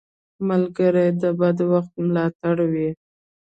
ملګری د بد وخت ملاتړی وي